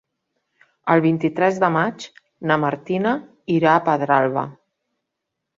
El vint-i-tres de maig na Martina irà a Pedralba.